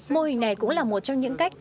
mô hình này cũng là một trong những sản phẩm